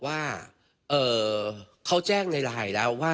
ทางนิติกรหมู่บ้านแจ้งกับสำนักงานเขตประเวท